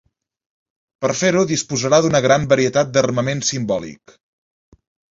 Per fer-ho disposarà d'una gran varietat d'armament simbòlic.